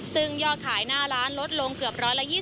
ซึ่งยอดขายหน้าร้านลดลงเกือบ๑๒๐